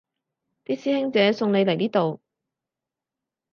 啲師兄姐送你嚟呢度